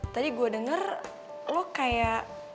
tadi gue denger lo kayak